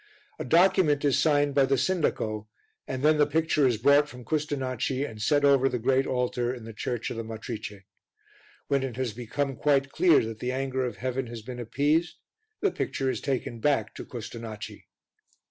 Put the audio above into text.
A document is signed by the sindaco, and then the picture is brought from Custonaci and set over the great altar in the church of the Matrice. When it has become quite clear that the anger of Heaven has been appeased, the picture is taken back to Custonaci.